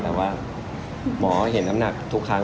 เพราะว่าเห็นน้ำหนักทุกครั้ง